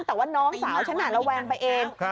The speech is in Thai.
แต่ว่าน้องสาวฉันระแวงไปเอง